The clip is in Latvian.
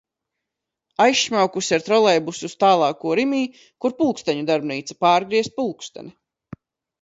Aizšmaukusi ar trolejbusu uz tālāko Rimi, kur pulksteņu darbnīca, pārgriezt pulksteni.